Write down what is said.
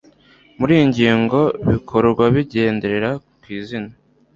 muri iyi ngingo bikorwa bigendera ku izina